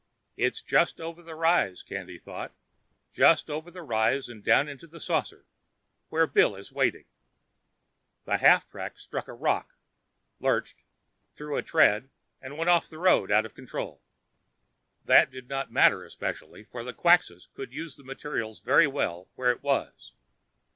It's just over the rise, Candy thought, just over the rise and down into the saucer, where Bill is waiting.... The half track struck a rock, lurched, threw a tread and went off the road, out of control. That did not matter especially, for the Quxas could use the material very well where it was.